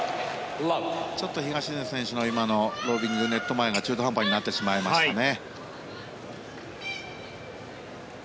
ちょっと東野選手のロビングがネット前が中途半端になってしまいましたね。